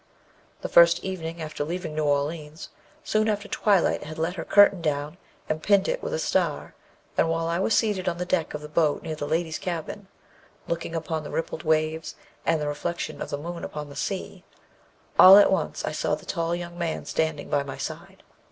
The first evening after leaving New Orleans, soon after twilight had let her curtain down, and pinned it with a star, and while I was seated on the deck of the boat near the ladies' cabin, looking upon the rippled waves, and the reflection of the moon upon the sea, all at once I saw the tall young man standing by my side.